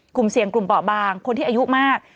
กลุ่มเสี่ยงกลุ่มเบาะบางคนที่อายุมาก